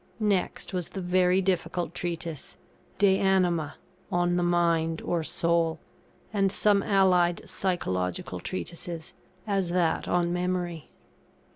Next was the very difficult treatise De Anima, on the mind, or Soul and some allied Psychological treatises, as that on Memory.